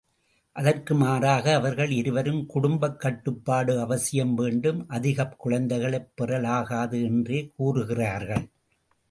அதற்கு மாறாக அவர்கள் இருவரும் குடும்பக் கட்டுப்பாடு அவசியம் வேண்டும், அதிகக் குழந்தைகளைப் பெறலாகாது என்றே கூறுகிறார்கள்.